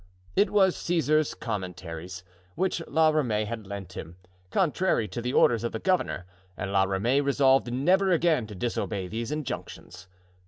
It was "Caesar's Commentaries," which La Ramee had lent him, contrary to the orders of the governor; and La Ramee resolved never again to disobey these injunctions.